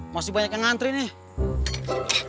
masih banyak yang ngantri nih